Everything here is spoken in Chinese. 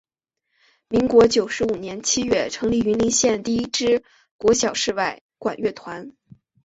民国九十五年七月成立云林县第一支国小室外管乐团。